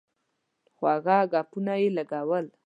خواږه ګپونه یې لګول.